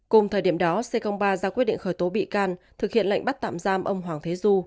cùng thời điểm đó c ba ra quyết định khởi tố bị can thực hiện lệnh bắt tạm giam ông hoàng thế du